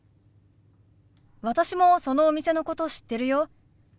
私もそのお店のこと知ってるよ。